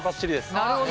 なるほど。